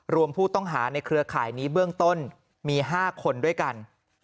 รวมผู้ต้องหาในเครือข่ายนี้เบื้องต้นมี๕คนด้วยกัน